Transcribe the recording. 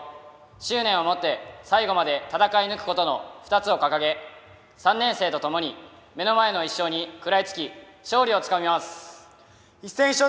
執念をもって、最後まで戦い抜くことの２つを掲げ３年生とともに目の前の１勝に食らいつき、勝利をつかみます。